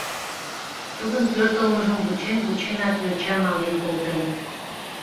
Тудын пӧртылмыжым вучен-вученак йоча мален колтен.